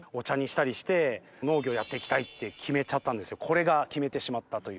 これが決めてしまったという。